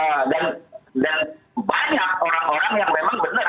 nah dan banyak orang orang yang memang benar